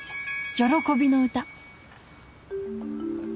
喜びの歌